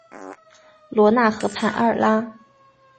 罗讷河畔阿尔拉。